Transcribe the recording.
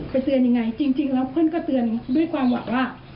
เตือนยังไงจริงแล้วเพื่อนก็เตือนด้วยความหวังว่า